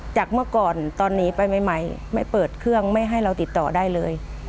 เมื่อก่อนตอนหนีไปใหม่ไม่เปิดเครื่องไม่ให้เราติดต่อได้เลย